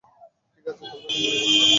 ঠিক আছে তোমরা ক্যান্টিনে যাও।